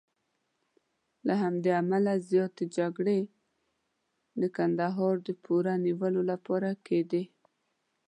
له همدې امله زیاتې جګړې د کندهار د پوره نیولو لپاره کېدې.